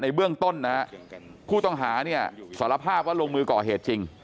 เบื้องต้นนะฮะผู้ต้องหาเนี่ยสารภาพว่าลงมือก่อเหตุจริง